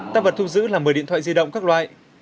tăng vật thu giữ là một mươi điện thoại di động các loại